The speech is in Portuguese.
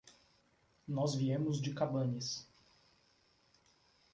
Nós viemos de Cabanes.